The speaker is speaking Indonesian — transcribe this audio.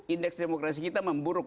indeks demokrasi kita memburuk